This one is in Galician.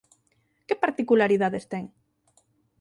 Que particularidades ten?